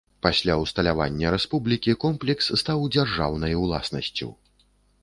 Пасля ўсталявання рэспублікі комплекс стаў дзяржаўнай уласнасцю.